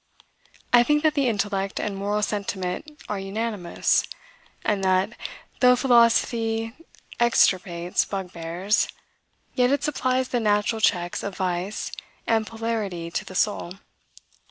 I think that the intellect and moral sentiment are unanimous; and that, though philosophy extirpates bugbears, yet it supplies the natural checks of vice, and polarity to the soul.